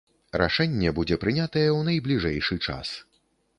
Рашэнне будзе прынятае ў найбліжэйшы час.